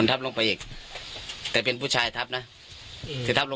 ทำได้ไงที่จะเกลียดได้